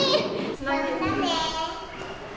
またね。